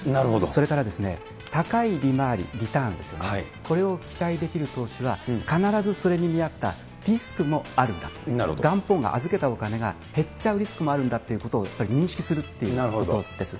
それから高い利回り、リターンですよね、これを期待できる投資は、必ずそれに見合ったリスクもあるんだと、元本が、預けたお金が減っちゃうリスクもあるんだということを、やっぱり認識するということです。